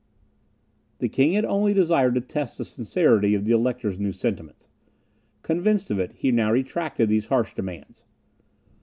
The king had only desired to test the sincerity of the Elector's new sentiments. Convinced of it, he now retracted these harsh demands.